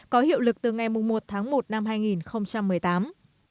có hiệu lực từ ngày một tháng một năm hai nghìn một mươi tám